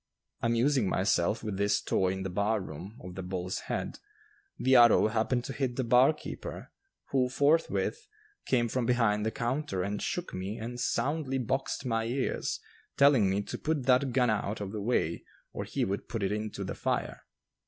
Amusing myself with this toy in the bar room of the Bull's Head, the arrow happened to hit the barkeeper, who forthwith came from behind the counter and shook me and soundly boxed my ears, telling me to put that gun out of the way or he would put it into the fire.